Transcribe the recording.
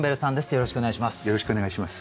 よろしくお願いします。